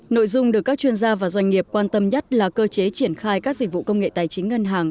nội dung được các chuyên gia và doanh nghiệp quan tâm nhất là cơ chế triển khai các dịch vụ công nghệ tài chính ngân hàng